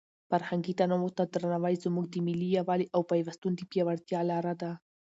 فرهنګي تنوع ته درناوی زموږ د ملي یووالي او پیوستون د پیاوړتیا لاره ده.